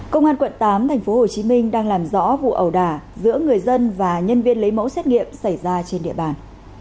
công an quận tám tp hcm đang làm rõ vụ ẩu đả giữa người dân và nhân viên lấy mẫu xét nghiệm xảy ra trên địa bàn